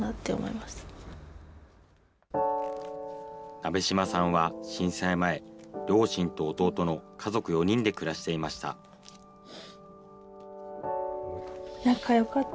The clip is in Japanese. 鍋島さんは震災前、両親と弟の家族４人で暮らしていました。